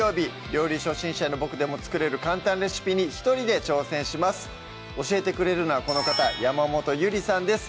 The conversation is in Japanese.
料理初心者のボクでも作れる簡単レシピに一人で挑戦します教えてくれるのはこの方山本ゆりさんです